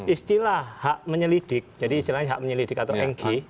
istilah hak menyelidik jadi istilahnya hak menyelidik atau eng